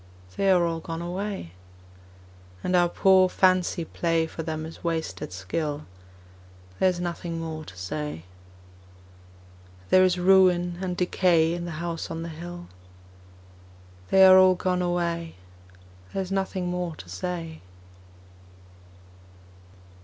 They are all gone away. And our poor fancy play For them is wasted skill: There is nothing more to say. There is ruin and decay In the House on the Hill They are all gone away, There is nothing more to say.